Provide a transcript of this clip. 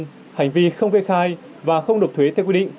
các cá nhân hành vi không gây khai và không nộp thuế theo quy định